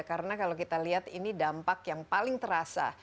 karena kalau kita lihat ini dampak yang paling terasa